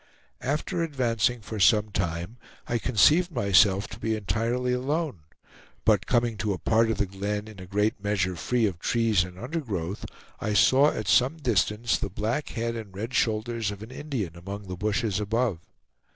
After advancing for some time, I conceived myself to be entirely alone; but coming to a part of the glen in a great measure free of trees and undergrowth, I saw at some distance the black head and red shoulders of an Indian among the bushes above.